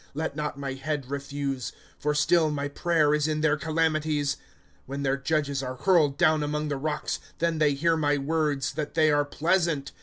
Let not my head refuse ; for still, My prayer is in their calamities. ^ When their judges are hurled down among the rocks, Then they hear my words, that they are pleasant.